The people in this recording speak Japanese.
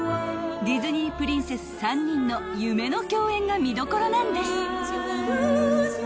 ［ディズニープリンセス３人の夢の共演が見どころなんです］